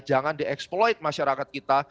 jangan di exploit masyarakat kita